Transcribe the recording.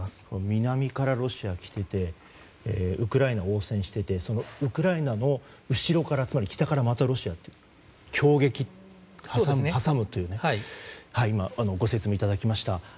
南からロシアが来ていてウクライナが応戦していてウクライナの後ろからつまり北からロシアが挟撃挟むというご説明いただきました。